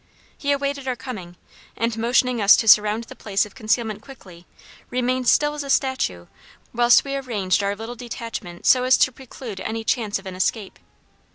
He awaited our coming, and, motioning us to surround the place of concealment quickly, remained still as a statue whilst we arranged our little detachment so as to preclude any chance of an escape.